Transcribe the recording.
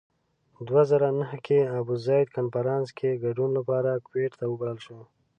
دوه زره نهه کې ابوزید کنفرانس کې ګډون لپاره کویت ته وبلل شو.